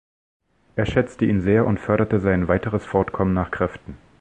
Er schätzte ihn sehr und förderte sein weiteres Fortkommen nach Kräften.